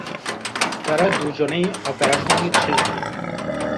তারা দুজনেই অপেরা সঙ্গীতশিল্পী।